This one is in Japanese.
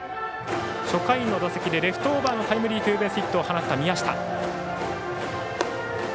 初回の打席でレフトオーバーのタイムリーツーベースヒットを放った宮下。